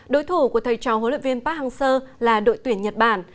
đối thủ của thầy trò huấn luyện viên park hang seo là đội tuyển nhật bản